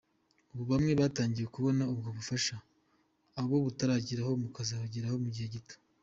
Ubu bamwe batangiye kubona ubwo bufasha, abo butarageraho bukazabageraho mugihe gito.